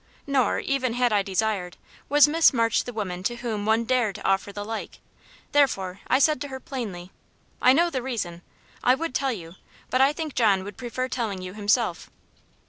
Nor, even had I desired, was Miss March the woman to whom one dared offer the like; therefore I said to her plainly: "I know the reason. I would tell you, but I think John would prefer telling you himself."